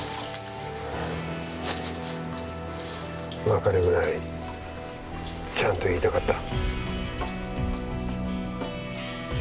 別れぐらいちゃんと言いたかった。